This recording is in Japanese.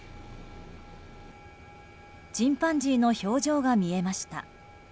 チンパンジーの表情が見えました。